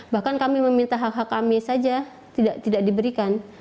bahkan kami meminta hak hak kami saja tidak diberikan